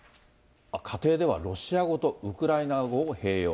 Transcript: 家庭ではロシア語とウクライナ語を併用。